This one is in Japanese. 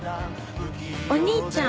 お兄ちゃん